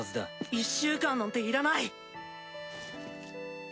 １週間なんていらない！